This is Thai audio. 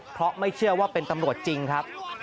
เพราะไม่เชื่อว่าเป็นตำรวจจริงครับ